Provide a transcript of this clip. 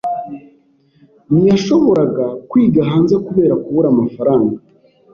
Ntiyashoboraga kwiga hanze kubera kubura amafaranga.